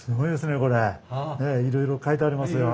ねっいろいろ書いてありますよ。